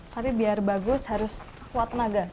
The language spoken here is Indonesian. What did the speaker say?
tapi biar bagus harus kuat tenaga